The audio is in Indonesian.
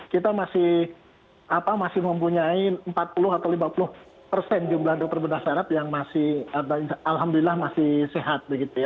kita masih mempunyai empat puluh atau lima puluh persen jumlah dokter bedah syarat yang masih alhamdulillah masih sehat